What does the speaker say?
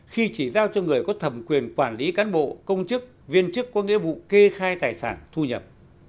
khi chỉ giao cho người có thẩm quyền quản lý cán bộ công chức viên chức có nghĩa vụ kê khai tài sản thu nhập